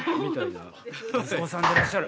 息子さんでらっしゃる。